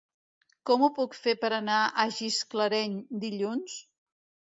Com ho puc fer per anar a Gisclareny dilluns?